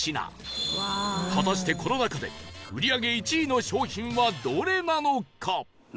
果たしてこの中で売り上げ１位の商品はどれなのか？